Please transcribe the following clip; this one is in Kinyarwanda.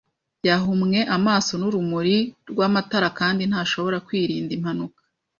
Yahumwe amaso n’urumuri rwamatara kandi ntashobora kwirinda impanuka.